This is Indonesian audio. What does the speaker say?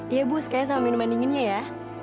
iya bu sekali sama minuman dinginnya ya